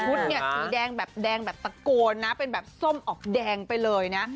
ชุดสีแดงแบบตะโกนนะเป็นแบบส้มออกแดงไปเลยนะ